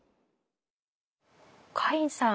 カインさん